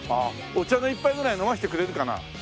お茶の一杯くらい飲ませてくれるかな？